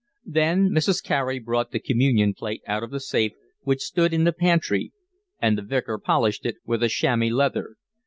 Then Mrs. Carey brought the communion plate out of the safe, which stood in the pantry, and the Vicar polished it with a chamois leather.